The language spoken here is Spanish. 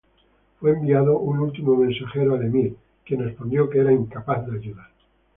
Fue enviado un último mensajero al emir, quien respondió que era incapaz de ayudar.